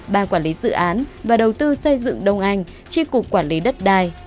bà quản lý dự án và đầu tư xây dựng đông anh chi cục quản lý đất đai